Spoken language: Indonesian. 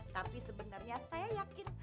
tapi sebenarnya saya yakin